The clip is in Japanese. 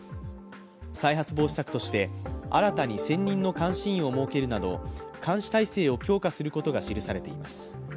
再発防止策として、新たに専任の監視員を設けるなど監視体制を強化することが記されています。